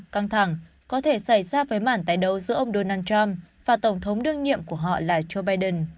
căng thẳng có thể xảy ra với mản tái đấu giữa ông donald trump và tổng thống đương nhiệm của họ là joe biden